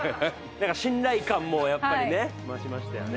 なんか信頼感もやっぱりね増しましたよね。